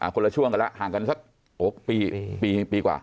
คนละช่วงกันแล้วห่างกันสักปีกว่า